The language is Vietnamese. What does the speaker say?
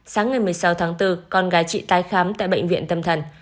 sáng ngày một mươi sáu tháng bốn con gái chị tái khám tại bệnh viện tâm thần